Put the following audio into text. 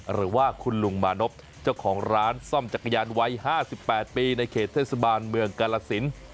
หรือว่าคุณลุงมานพเจ้าของร้านซ่อมจักรยานวัย๕๘ปีในเขตเทศบาลเมืองกาลสิน